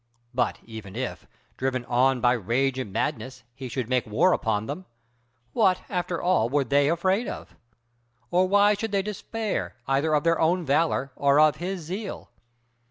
But even if, driven on by rage and madness, he should make war upon them, what after all were they afraid of? or why should they despair either of their own valor or of his zeal?